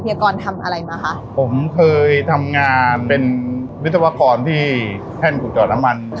ยากรทำอะไรมาคะผมเคยทำงานเป็นวิศวกรที่แท่นขุดจอดน้ำมัน